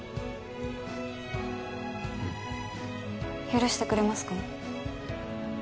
許してくれますか？